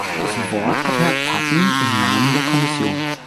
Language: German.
Das Wort hat Herr Patten im Namen der Kommission.